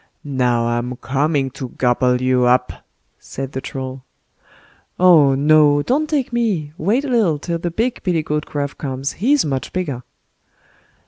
"Now, I'm coming to gobble you up", said the Troll. "Oh, no! don't take me, wait a little till the big billy goat Gruff comes, he's much bigger."